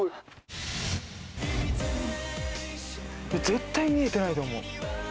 絶対見えてないと思う。